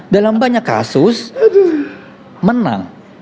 dalam banyak kasus menang